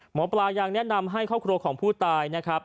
หมอปลายังแนะนำให้ครอบครัวของผู้ตายนะครับ